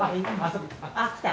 あっ来た。